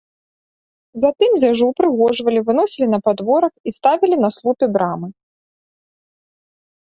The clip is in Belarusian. Затым дзяжу ўпрыгожвалі, выносілі на падворак і ставілі на слупе брамы.